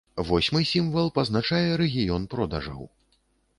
Восьмы сімвал пазначае рэгіён продажаў.